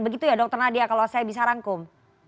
begitu ya dokter nadia kalau saya bisa rangkum